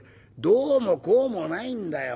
「どうもこうもないんだよ。